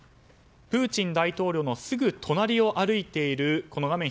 プーチン大統領のすぐ隣を歩いている画面